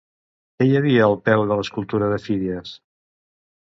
Què hi havia al peu de l'escultura de Fídies?